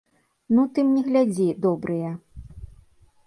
Ну, ты мне глядзі, добрыя.